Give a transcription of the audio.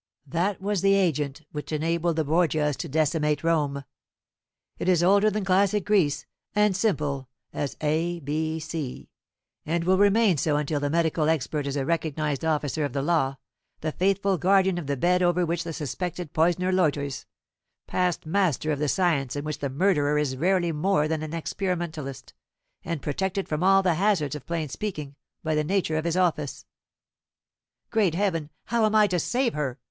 That was the agent which enabled the Borgias to decimate Rome. It is older than classic Greece, and simple as a b c, and will remain so until the medical expert is a recognized officer of the law, the faithful guardian of the bed over which the suspected poisoner loiters past master of the science in which the murderer is rarely more than an experimentalist, and protected from all the hazards of plain speaking by the nature of his office." "Great Heaven, how am I to save her?"